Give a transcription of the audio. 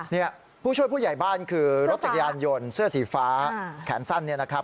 นี่ผู้ช่วยผู้ใหญ่บ้านคือจรสแจกยานยนต์เสื้อสีฟ้าแขนสั้นครับ